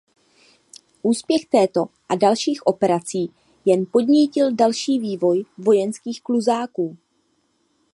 Úspěch této a dalších operací jen podnítil další vývoj vojenských kluzáků.